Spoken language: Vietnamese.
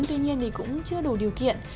tuy nhiên thì cũng chưa đủ điều kiện